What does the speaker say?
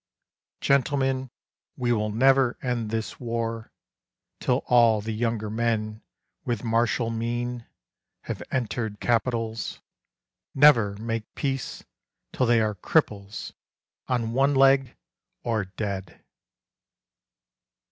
' Gentlemen, we will never end this war Till all the younger men with martial mien Have entered capitals ; never make peace Till they are cripples, on one leg, or dead